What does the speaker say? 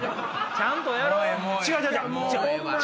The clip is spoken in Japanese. ちゃんとやろうや！